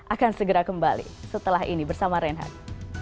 akan segera kembali setelah ini bersama reinhard